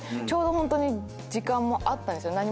ちょうど時間もあったんですよ。